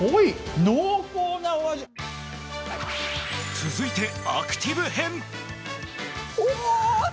続いてアクティブ編。